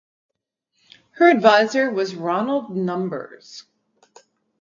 Her advisor was Ronald Numbers.